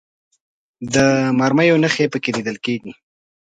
د مرمیو نښې په کې لیدل کېږي.